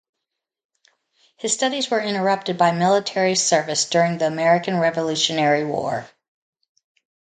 His studies were interrupted by military service during the American Revolutionary War.